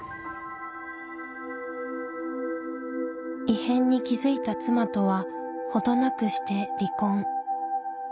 異変に気付いた妻とは程なくして離婚。